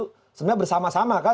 sebenarnya bersama sama kan